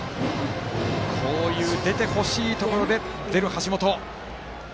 こういう出てほしいところで出る橋本。